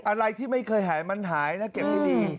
อะไรที่ไม่เคยหายมันหายนะเก็บได้ดี